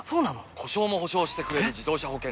故障も補償してくれる自動車保険といえば？